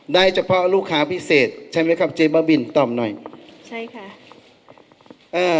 ได้เฉพาะลูกค้าพิเศษใช่ไหมครับเจ๊บ้าบินตอบหน่อยใช่ค่ะเอ่อ